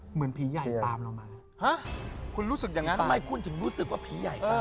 เหมือนพีชใหญ่ตามแล้วมา